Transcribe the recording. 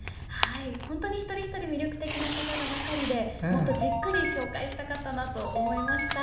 本当に一人一人魅力的な方ばかりでもっとじっくり紹介したかったなと思いました。